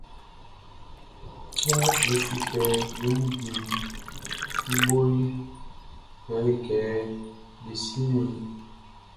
Kɛ be se kɛ be wun bianʼn, i boʼn yɛle kɛ be simɛn i.